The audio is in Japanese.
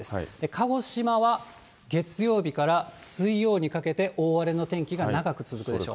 鹿児島は月曜日から水曜にかけて大荒れの天気が長く続くでしょう。